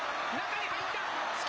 中に入った。